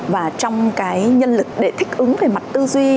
và trong cái nhân lực để thích ứng về mặt tư duy